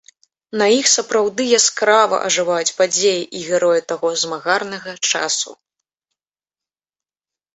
На іх сапраўды яскрава ажываюць падзеі і героі таго змагарнага часу.